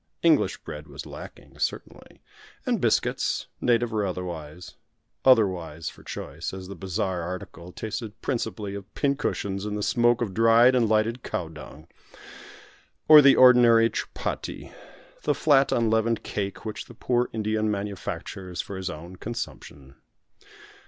English bread was lacking, certainly, and biscuits, native or otherwise "otherwise" for choice, as the bazaar article tasted principally of pin cushions and the smoke of dried and lighted cow dung or the ordinary chupatti, the flat, unleavened cake, which the poor Indian manufactures for his own consumption.